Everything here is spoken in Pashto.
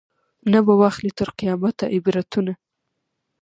نه به واخلي تر قیامته عبرتونه